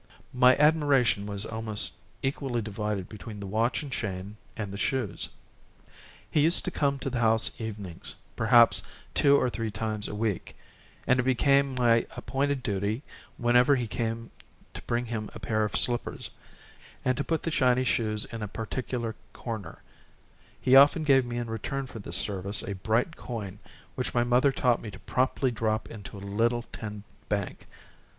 My admiration was almost equally divided between the watch and chain and the shoes. He used to come to the house evenings, perhaps two or three times a week; and it became my appointed duty whenever he came to bring him a pair of slippers and to put the shiny shoes in a particular corner; he often gave me in return for this service a bright coin, which my mother taught me to promptly drop in a little tin bank.